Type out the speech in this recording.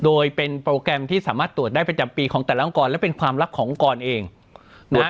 โดยเป็นโปรแกรมที่สามารถตรวจได้ประจำปีของแต่ละองค์กรและเป็นความลับขององค์กรเองนะฮะ